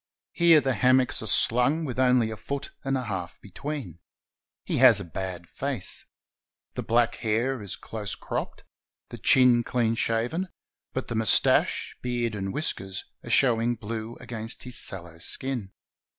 Here the hammocks are slung with only a foot and an half between. He has a bad face. The 479 ISLANDS OF THE PACIFIC black hair is close cropped, the chin clean shaven, but the mustache, beard, and whiskers are showing blue against his sallow skin.